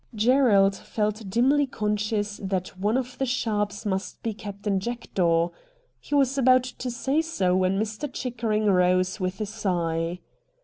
Gerald felt dimly conscious that one of the ' sharps ' must be Captain Jackdaw. He was about to say so when Mr. Chickering rose with a sigh.